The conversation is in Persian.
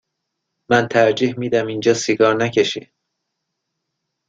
من ترجیح می دهم اینجا سیگار نکشی.